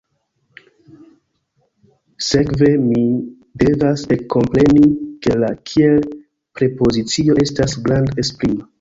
Sekve mi devas ekkompreni ke la kiel-prepozicio estas grad-esprima.